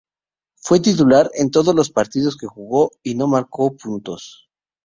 Fue titular en todos los partidos que jugó y no marcó puntos.